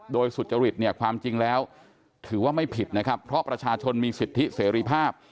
โดยสุจริตเนี่ยความจริงแล้วถือว่าไม่ผิดนะครับเพราะประชาชนมีสิทธิเสรีภาพ